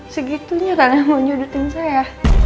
segitunya kalian mau nyudutin saya